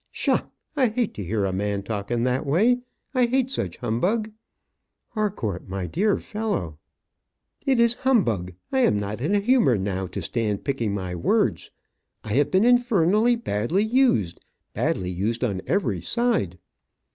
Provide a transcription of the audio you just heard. "Psha! I hate to hear a man talk in that way. I hate such humbug." "Harcourt, my dear fellow " "It is humbug. I am not in a humour now to stand picking my words. I have been infernally badly used badly used on every side."